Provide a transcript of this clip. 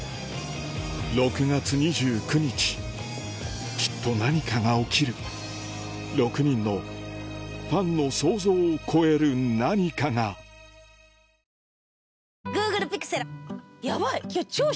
６月２９日きっと何かが起きる６人のファンの想像を超える何かがあやみちゃん。